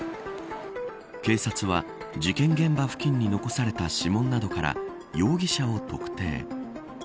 警察は、事件現場付近に残された指紋などから容疑者を特定。